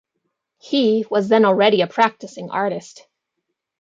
He was then already a practising artist.